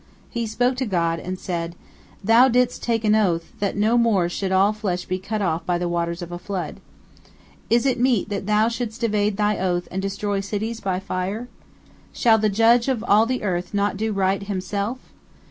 He spoke to God, and said: "Thou didst take an oath that no more should all flesh be cut off by the waters of a flood. Is it meet that Thou shouldst evade Thy oath and destroy cities by fire? Shall the Judge of all the earth not do right Himself?